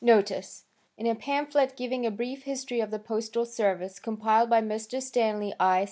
Notice In a pamphlet giving a brief history of the postal service, compiled by Mr. Stanley I.